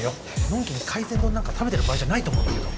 のんきに海鮮丼なんか食べてる場合じゃないと思うんだけど。